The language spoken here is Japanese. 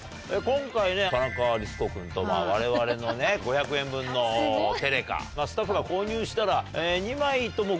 今回田中律子君とわれわれの５００円分のテレカスタッフが購入したら２枚とも。